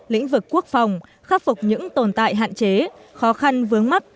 lĩnh vực quốc phòng khắc phục những tồn tại hạn chế khó khăn vướng mắt